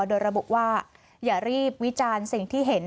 โดยระบุว่าอย่ารีบวิจารณ์สิ่งที่เห็น